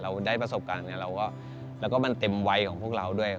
เราได้ประสบการณ์แล้วก็มันเต็มวัยของพวกเราด้วย